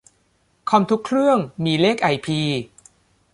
คอมทุกเครื่องมีเลขไอพี